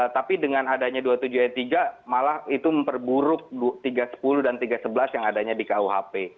tapi dengan adanya dua puluh tujuh ayat tiga malah itu memperburuk tiga ratus sepuluh dan tiga ratus sebelas yang adanya di kuhp